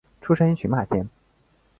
出身于群马县。